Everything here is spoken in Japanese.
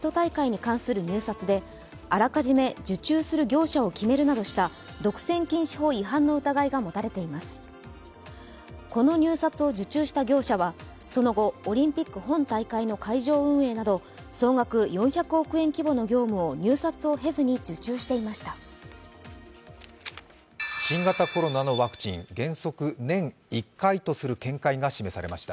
この入札を受注した業者はその後オリンピック本大会の会場運営など総額４００億円規模の業務を入札を経ずに受注していました。